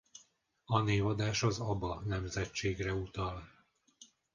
A névadás az Aba nemzetségre utal.